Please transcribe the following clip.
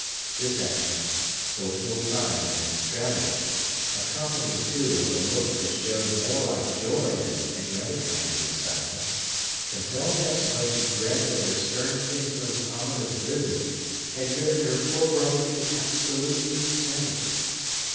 This action, so ill timed and extravagant,—accompanied, too, with a look that showed more like joy than any other kind of excitement,—compelled Hepzibah to dread that her stern kinsman's ominous visit had driven her poor brother to absolute insanity.